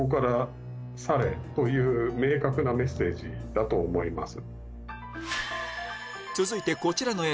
だと思います。